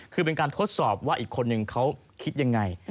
คือเป็นการทดสอบว่าอีกคนนึงเขาคิดยังไง